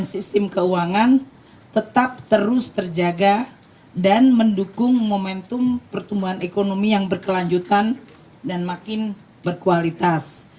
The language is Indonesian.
sistem keuangan tetap terus terjaga dan mendukung momentum pertumbuhan ekonomi yang berkelanjutan dan makin berkualitas